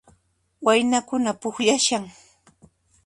Waynakuna pukllashan